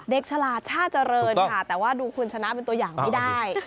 ฉลาดชาติเจริญค่ะแต่ว่าดูคุณชนะเป็นตัวอย่างไม่ได้